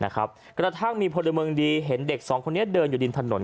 กระทั่งมีพลเมืองดีเห็นเด็กสองคนนี้เดินอยู่ริมถนน